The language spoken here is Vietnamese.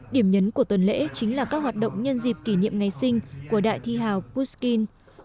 điểm nhấn của tuần lễ chính là các hoạt động nhân dịp kỷ niệm ngày sinh của đại thi hào pushkin